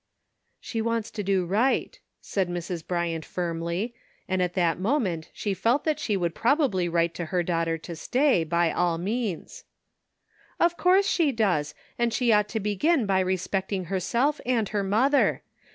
" Sh© wants to do right," said Mrs. Bryant CONFLICTING ADVICE. 199 firmly, and at that moment she felt that she would probably write to her daughter to stay, by all means. "Of course she does, and she ought to begin by respecting herself and her mother.